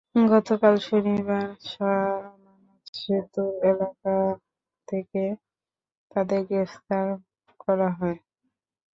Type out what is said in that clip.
গতকাল শনিবার শাহ আমানত সেতু এলাকা থেকে তাঁদের গ্রেপ্তার করা হয়।